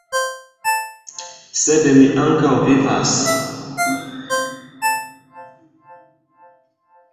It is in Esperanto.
Sed mi ankoraŭ vivas.